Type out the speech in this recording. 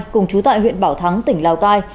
cùng chú tại huyện bảo thắng tỉnh lào cai